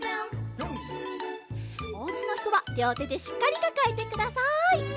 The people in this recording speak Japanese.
おうちのひとはりょうてでしっかりかかえてください。